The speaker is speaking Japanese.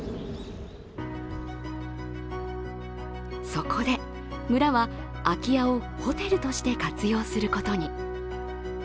そこで村は空き家をホテルとして活用することに。